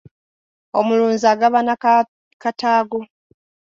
Omulunzi agabana kataago.